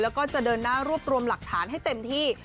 แล้วก็จะเดินหน้ารวบรวมหลักฐานให้เต็มที่